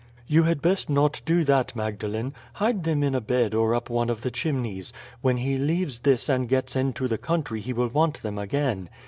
"You had best not do that, Magdalene. Hide them in a bed or up one of the chimneys. When he leaves this and gets into the country he will want them again.